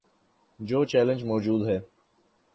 جو چیلنج موجود ہے۔